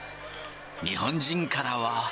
日本人からは。